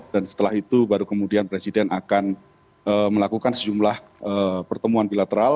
dan setelah itu baru kemudian presiden akan melakukan sejumlah pertemuan bilateral